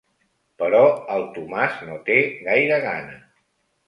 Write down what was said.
Però el Tomàs no té gaire gana.